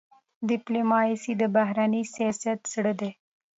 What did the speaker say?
ډيپلوماسي د بهرني سیاست زړه دی.